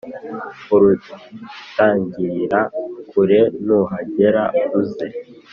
urutangirira kure nuhagera uze